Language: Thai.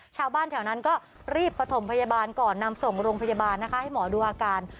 ชาวบ้านแถวนั้นก็รีบประถมพยาบาลก่อนนำส่งโรงพยาบาลนะคะให้หมอดูอาการ